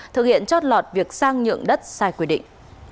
thực hiện trót lọt việc sang nhượng đất sai quy định